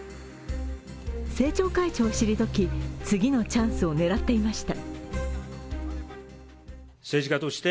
政調会長を退き、次のチャンスを狙っていました。